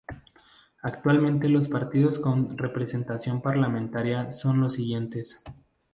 Actualmente los partidos con representación parlamentaria son los siguientes.